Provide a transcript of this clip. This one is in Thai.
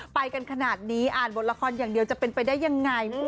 ไปกันขนาดนี้อ่านบทละครอย่างเดียวจะเป็นไปได้ยังไง